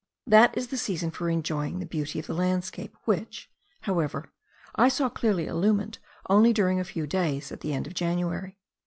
That is the season for enjoying the beauty of the landscape, which, however, I saw clearly illumined only during a few days at the end of January.